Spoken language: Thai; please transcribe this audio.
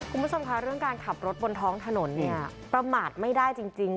คุณผู้ชมค่ะเรื่องการขับรถบนท้องถนนเนี่ยประมาทไม่ได้จริง